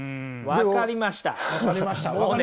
分かりました？